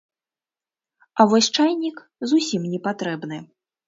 А вось чайнік зусім не патрэбны.